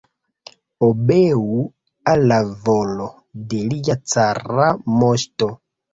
Obeu al la volo de lia cara moŝto!